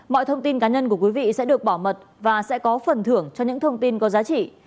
mọi thông tin cá nhân của quý vị sẽ được bảo mật và sẽ có phần thưởng cho những thông tin có giá trị